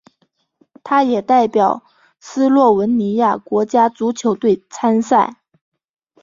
他也代表斯洛文尼亚国家足球队参赛。